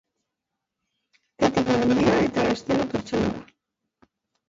Etika handia eta estilo pertsonala.